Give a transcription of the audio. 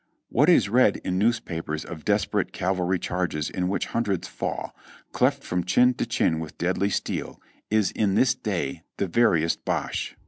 What is read in newspapers of desperate cavalry charges in which hundreds fall, cleft from chin to chin with deadly steel, is in this day the veriest bosh.